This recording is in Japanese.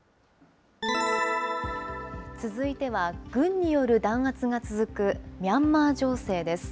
続いては、軍による弾圧が続くミャンマー情勢です。